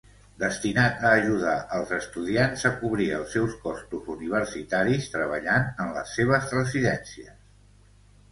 Destinat a ajudar els estudiants a cobrir els seus costos universitaris treballant en les seves residències.